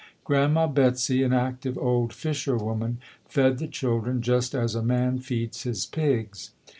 Grandma Betsy, an active old fisherwoman, fed the children just as a man feeds his pigs.